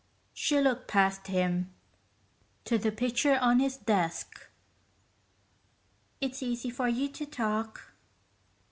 She looked past him to the picture on his desk. "It's easy for you to talk."